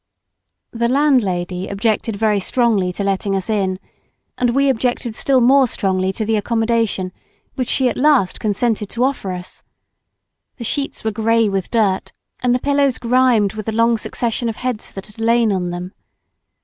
The landlady objected very strongly to letting us in, and we objected still more strongly to the accommodation which she at last consented to offer us. The sheets were grey with dirt, and the pillows grimed with the long succession of heads that had lain on them.